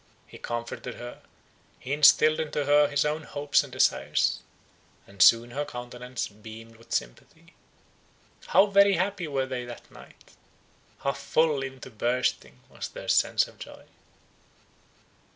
He comforted her; he instilled into her his own hopes and desires; and soon her countenance beamed with sympathy. How very happy were they that night! How full even to bursting was their sense of joy!